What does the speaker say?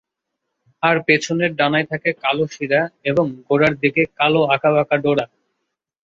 আর পেছনের ডানায় থাকে কালো শিরা এবং গোড়ার দিকে কালো আঁকাবাঁকা ডোরা।